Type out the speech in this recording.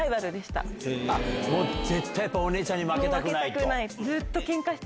絶対お姉ちゃんに負けたくない？